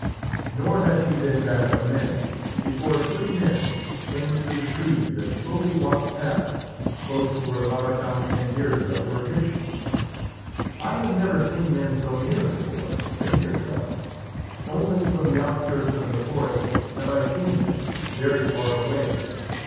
Nor had she been back a minute before three men came through the trees and slowly walked past, close to where Lavarcam and Deirdrê were hidden. "I have never seen men so near before," said Deirdrê. "Only from the outskirts of the forest have I seen them very far away.